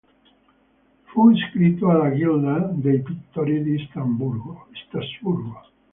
Fu iscritto alla gilda dei pittori di Strasburgo.